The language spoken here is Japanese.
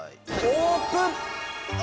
オープン！